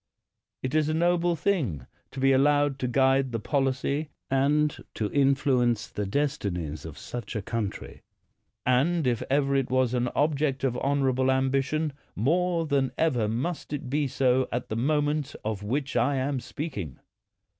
It is a noble thing to be allowed to guide the policy and to in 197 THE WORLD'S FAMOUS ORATIONS fluence the destinies of such a country; and, if ever it was an object of honorable ambition, more than ever must it be so at the moment at which I am speaking.